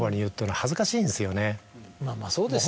まぁまぁそうですよね。